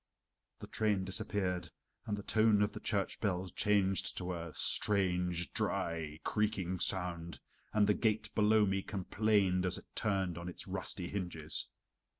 The train disappeared, and the tone of the church bells changed to a strange, dry, creaking sound, and the gate below me complained as it turned on its rusty hinges.